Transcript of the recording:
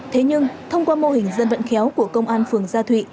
thế nhưng thông qua mô hình dân vận khéo của công an phường gia thụy